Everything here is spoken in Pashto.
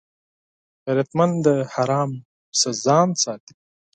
غیرتمند د حرام نه ځان ساتي